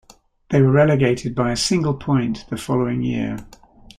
They were relegated by a single point the following year.